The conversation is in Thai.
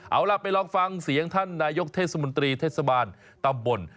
เอาล่ะไปลองฟังเสียงท่านนายกเทศมนตรีเทศบาลตำบล